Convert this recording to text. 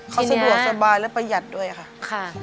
เขาสะดวกสบายและประหยัดด้วยค่ะ